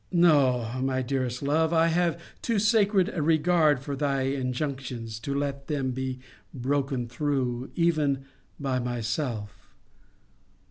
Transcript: No, my dearest love, I have too sacred a regard for thy injunctions, to let them be broken through, even by thyself.